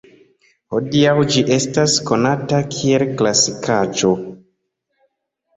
Hodiaŭ ĝi estas konata kiel klasikaĵo.